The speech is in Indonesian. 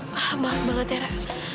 maaf banget ya ra